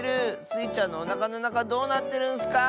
スイちゃんのおなかのなかどうなってるんスか！